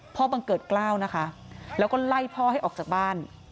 บังเกิดกล้าวนะคะแล้วก็ไล่พ่อให้ออกจากบ้าน